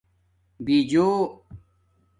بیجوُ